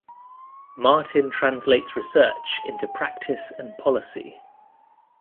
Martin translates research into practice and policy.